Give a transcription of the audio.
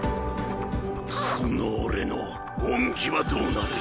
この俺の恩義はどうなる？